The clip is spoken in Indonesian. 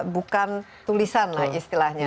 bukan tulisan lah istilahnya